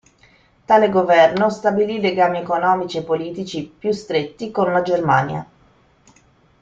Tale governo stabilì legami economici e politici più stretti con la Germania.